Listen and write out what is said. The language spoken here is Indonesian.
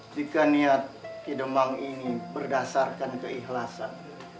jika niat kidemang ini berdasarkan keikhlasan